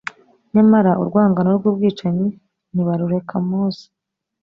nyamara urwangano rw'ubwicanyi ntibarureka mose.